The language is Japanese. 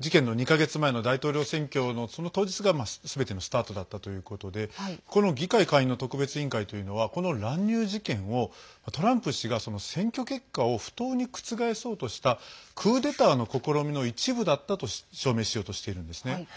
事件の２か月前の大統領選挙のその当日がすべてのスタートだったということで議会下院の特別委員会というのはこの乱入事件をトランプ氏が選挙結果を不当に覆そうとしたクーデターの試みの一部だったと証明しようとしているんですね。